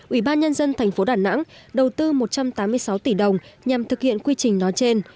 ủy ban nhân dân tp đà nẵng đầu tư một trăm tám mươi sáu tỷ đồng nhằm thực hiện quy trình đó trên